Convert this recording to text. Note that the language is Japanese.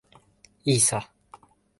いいさ。